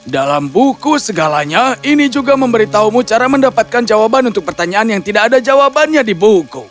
dalam buku segalanya ini juga memberitahumu cara mendapatkan jawaban untuk pertanyaan yang terakhir